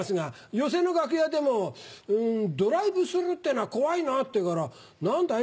寄席の楽屋でも「ドライブスルーってのは怖いな」って言うから「何だい？」